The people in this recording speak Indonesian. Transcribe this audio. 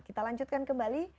kita lanjutkan kembali